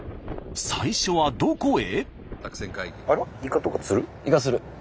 最初はどこへ？